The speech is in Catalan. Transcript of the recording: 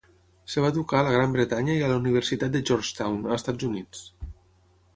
Es va educar a la Gran Bretanya i a la Universitat de Georgetown, Estats Units.